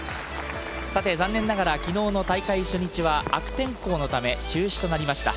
さて、残念ながらきのうの大会初日は悪天候のため中止となりました。